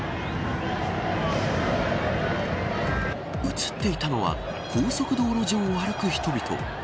映っていたのは高速道路上を歩く人々。